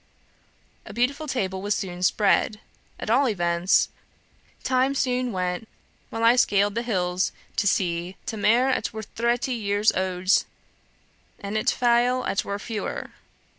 A bountiful table was soon spread; at all events, time soon went while I scaled the hills to see 't' maire at wor thretty year owd, an't' feil at wor fewer.'